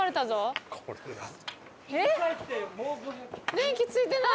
電気ついてない！